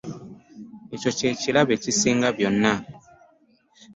Ekyo kye kirabo ekisinga byonna.